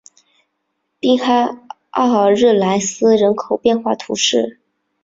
滨海阿尔日莱斯人口变化图示